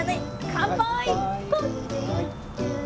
乾杯！